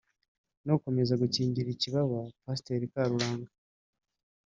no gukomeza gukingira ikibaba Pasiteri Karuranga